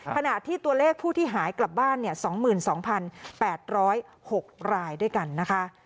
ขณะที่ตัวเลขผู้ที่หายกลับบ้าน๒๒๘๐๖รายด้วยกันนะคะ